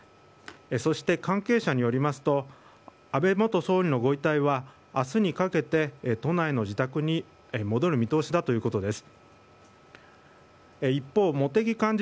そして関係者によりますと安倍元総理のご遺体は明日にかけて都内の自宅に戻る見通しだということです。